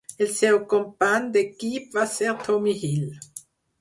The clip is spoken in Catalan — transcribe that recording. El seu company d'equip va ser Tommy Hill.